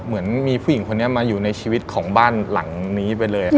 เหมือนมีผู้หญิงคนนี้มาอยู่ในชีวิตของบ้านหลังนี้ไปเลย